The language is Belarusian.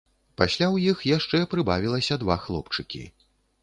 Пасля ў іх яшчэ прыбавілася два хлопчыкі.